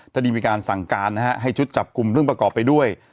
ตอนนี้มีการสั่งการให้ชุดจับกลุ่มเรื่องประกอบไปด้วย